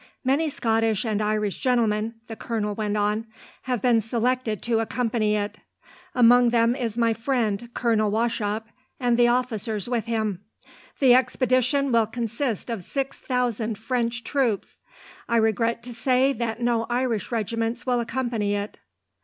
"Many Scottish and Irish gentlemen," the colonel went on, "have been selected to accompany it. Among them is my friend, Colonel Wauchop, and the officers with him. The expedition will consist of six thousand French troops. I regret to say that no Irish regiments will accompany it."